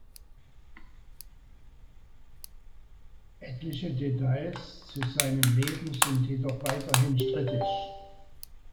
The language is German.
Etliche Details zu seinem Leben sind jedoch weiterhin strittig.